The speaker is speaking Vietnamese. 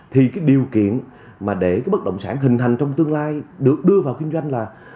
thì cái điều kiện mà để cái bất động sản hình thành trong tương lai được đưa vào kinh doanh là